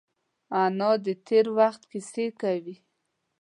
انا د تېر وخت کیسې کوي